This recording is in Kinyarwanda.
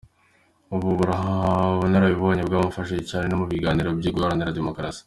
Ubu bunararibonye bwaramufashije cyane no mu biganiro byo guharanira demokarasi.